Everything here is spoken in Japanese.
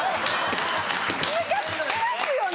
ムカつきますよね！